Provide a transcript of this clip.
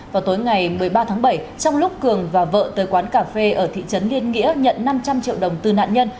vào tối ngày một mươi ba tháng bảy trong lúc cường và vợ tới quán cà phê ở thị trấn liên nghĩa nhận năm trăm linh triệu đồng từ nạn nhân